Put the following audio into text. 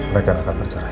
mereka akan bercerai